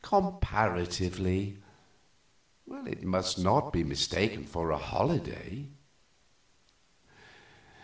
"Comparatively. It must not be mistaken for a holiday."